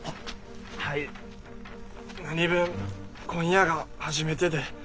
はい何分今夜が初めてで。